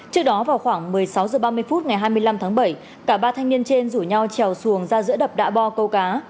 trước đó vào khoảng một mươi sáu h ba mươi phút ngày hai mươi năm tháng bảy cả ba thanh niên trên rủ nhau trèo xuồng ra giữa đập đã bo câu cá